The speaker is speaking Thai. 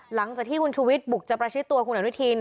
หลังจากที่คุณชูวิทย์บุกจะประชิดตัวคุณอนุทิน